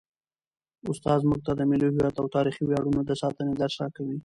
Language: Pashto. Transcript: استاد موږ ته د ملي هویت او تاریخي ویاړونو د ساتنې درس راکوي.